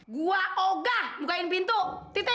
gua ogah bukain pintu